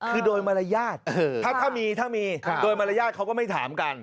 คือโดยมารยาทถ้ามีถ้ามีโดยมารยาทเขาก็ไม่ถามกัน